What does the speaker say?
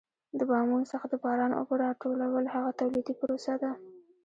د بامونو څخه د باران اوبه را ټولول هغه تولیدي پروسه ده.